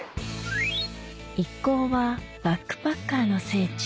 一行はバックパッカーの聖地